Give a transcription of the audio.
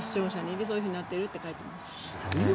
で、そういうふうになってるって書いてありました。